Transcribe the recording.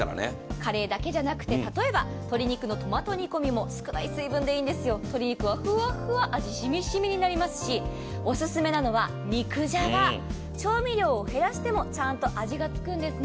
カレーだけじゃなくて、例えば鶏肉のトマト煮込みも少ない水分でいいんですよ、鶏肉はふわふわ、味しみしみになりますし、オススメなのは肉じゃが、調味料を減らしてもちゃんと味がつくんですね。